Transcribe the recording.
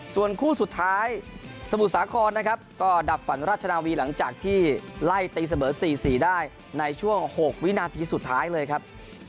ส่วนคู่สุดท้ายสมุทรสาครนะครับก็ดับฝันราชนาวีหลังจากที่ไล่ตีเสมอ๔๔ได้ในช่วง๖วินาทีสุดท้ายเลยครับ